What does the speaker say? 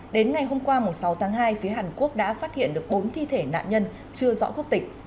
đến ngày hôm qua sáu tháng hai phía hàn quốc đã phát hiện được bốn thi thể nạn nhân chưa rõ quốc tịch